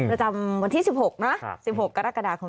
ประจำวันที่๑๖นะ๑๖กรกฎาคม